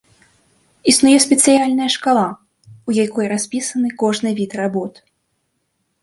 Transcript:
Існуе спецыяльная шкала, у якой распісаны кожны від работ.